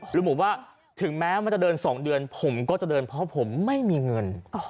หรือผมว่าถึงแม้มันจะเดิน๒เดือนผมก็จะเดินเพราะผมไม่มีเงิน